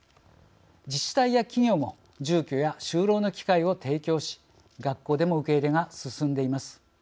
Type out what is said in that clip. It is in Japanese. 自治体や企業も住居や就労の機会を提供し学校でも受け入れが進んでいます。